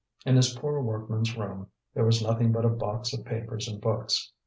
In his poor workman's room there was nothing but a box of papers and books.